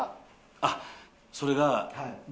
あっそれがＢ